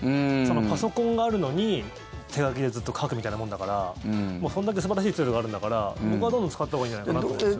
パソコンがあるのに、手書きでずっと書くみたいなものだからそれだけ素晴らしいツールがあるんだから僕はどんどん使ったほうがいいんじゃないかなと思います。